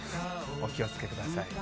お気をつけください。